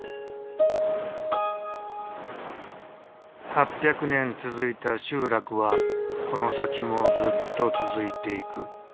８００年続いた集落はこの先もずっと続いていく。